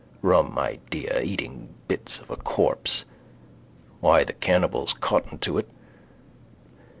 Rum idea: eating bits of a corpse. Why the cannibals cotton to it.